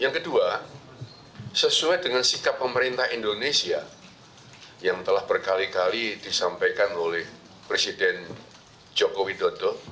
yang kedua sesuai dengan sikap pemerintah indonesia yang telah berkali kali disampaikan oleh presiden joko widodo